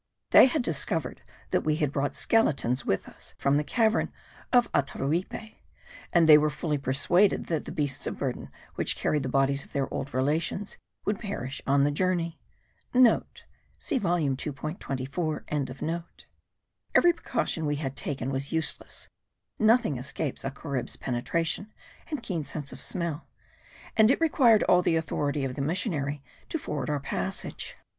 They had discovered that we had brought skeletons with us from the cavern of Ataruipe; and they were fully persuaded that the beasts of burden which carried the bodies of their old relations would perish on the journey.* (* See volume 2.24.) Every precaution we had taken was useless; nothing escapes a Carib's penetration and keen sense of smell, and it required all the authority of the missionary to forward our passage.